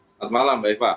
selamat malam mbak eva